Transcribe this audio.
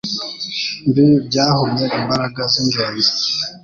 mbi byahumye imbaraga z’ingenzi